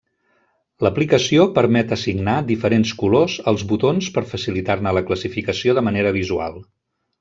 L'aplicació permet assignar diferents colors als botons per facilitar-ne la classificació de manera visual.